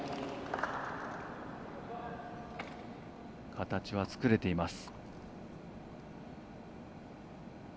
形は作れています。